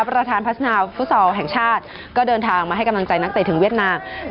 ประธานพัฒนาฟุตซอลแห่งชาติก็เดินทางมาให้กำลังใจนักเตะถึงเวียดนาม